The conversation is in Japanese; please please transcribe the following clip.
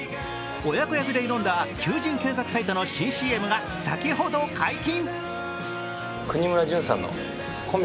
親子役で挑んだ求人検索サイトの新ＣＭが先ほど解禁。